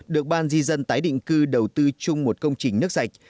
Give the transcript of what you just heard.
được ban di dân tái định cư đầu tư chung một công trình nước sạch